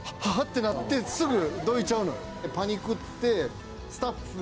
てなってすぐどいちゃうのよ。